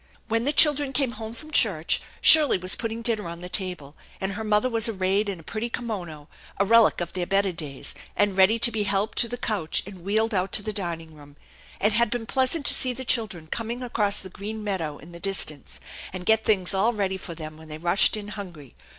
When the children came home from church Shirley was putting dinner on the table, and her mother was arrayed in a pretty kimono, a relic of their better days, and ready to be helped to +he couch and wheeled out to the dining room. It had been pleasant to see the children coming across the green meadow in the distance, and get things all ready for them when they rushed in hungry.